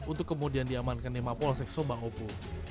untuk kemudian diamankan di mampolsek somba opu